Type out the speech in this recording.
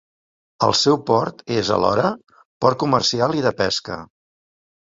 El seu port és, alhora, port comercial i de pesca.